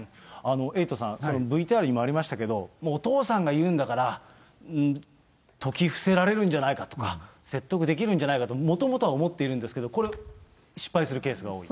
エイトさん、ＶＴＲにもありましたけど、お父さんが言うんだから、説き伏せられるじゃないかとか、説得できるんじゃないかと、もともとは思っているんですけど、これ、失敗するケースが多い？